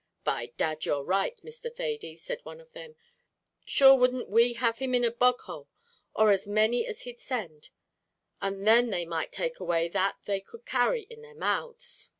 "By dad, you're right, Mr. Thady," said one of them. "Shure wouldn't we have him in a bog hole, or as many as he'd send; and then they might take away what they could carry in their mouths."